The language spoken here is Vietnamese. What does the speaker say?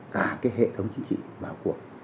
cả cái hệ thống chính trị vào cuộc